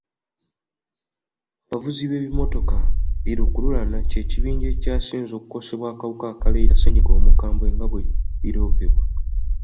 Abavuzi b'ebimmotoka bi lukululana ky'ekibinja ekikyasinze okukosebwa akawuka akaleeta ssennyiga omukambwe nga bwe biroopebwa.